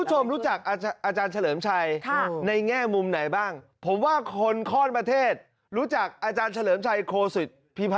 ตอนนี้ไหมอาจารย์เฉลิมชัยครับ